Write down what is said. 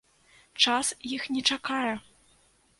Час іх не чакае.